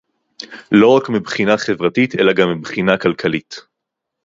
לא רק מבחינה חברתית אלא גם מבחינה כלכלית